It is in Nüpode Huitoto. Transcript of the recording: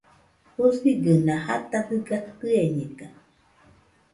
Jusigɨna jata dɨga tɨeñega